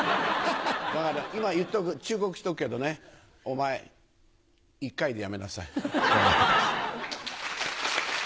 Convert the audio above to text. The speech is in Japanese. だから、今、言っとく、忠告しとくけどね、お前、一回でやめなさい。